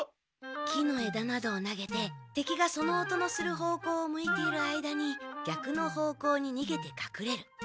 木の枝などを投げて敵がその音のする方向を向いている間に逆の方向に逃げて隠れる。